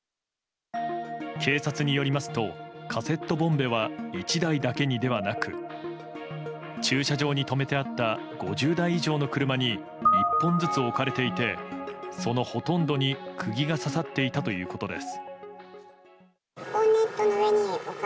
警察によりますとカセットボンベは１台だけにではなく駐車場に止めてあった５０台以上の車に１本ずつ置かれていてそのほとんどに釘が刺さっていたということです。